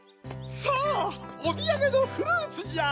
さぁおみやげのフルーツじゃ！